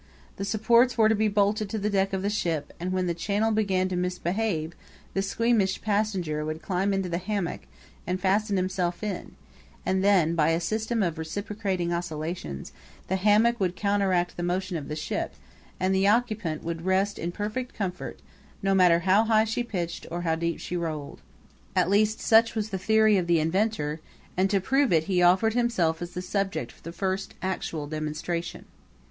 The supports were to be bolted to the deck of the ship, and when the Channel began to misbehave the squeamish passenger would climb into the hammock and fasten himself in; and then, by a system of reciprocating oscillations, the hammock would counteract the motion of the ship and the occupant would rest in perfect comfort no matter how high she pitched or how deep she rolled. At least such was the theory of the inventor; and to prove it he offered himself as the subject for the first actual demonstration.